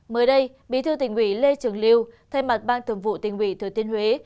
mới đây bí thư tỉnh ủy lê trường liêu thay mặt bang thường vụ tỉnh ủy thừa tiên huế